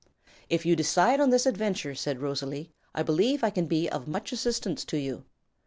"If you decide on this adventure," said Rosalie, "I believe I can be of much assistance to you."